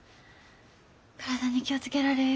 体に気を付けられえよ。